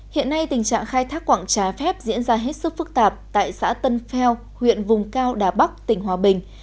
hiện nay tình trạng khai thác quảng trái phép diễn ra hết sức phức tạp tại xã tân pheo huyện vùng cao đà bắc tỉnh hòa bình